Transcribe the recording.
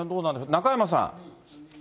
中山さん。